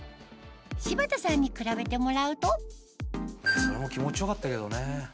柴田さんに比べてもらうとそれも気持ち良かったけどね。